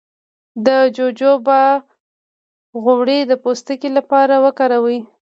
د جوجوبا غوړي د پوستکي لپاره وکاروئ